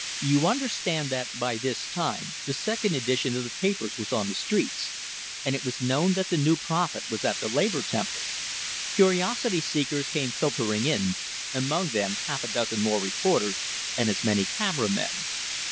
You understand that by this time the second edition of the papers was on the streets, and it was known that the new prophet was at the Labor Temple. Curiosity seekers came filtering in, among them half a dozen more reporters, and as many camera men.